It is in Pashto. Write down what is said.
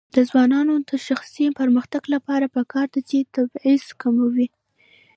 د ځوانانو د شخصي پرمختګ لپاره پکار ده چې تبعیض کموي.